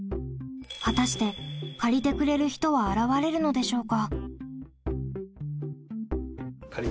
果たして借りてくれる人は現れるのでしょうか？